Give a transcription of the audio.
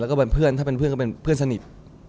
แล้วก็เป็นเพื่อนถ้าเป็นเพื่อนก็เป็นเพื่อนสนิท